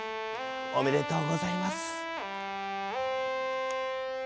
おめでとうございます。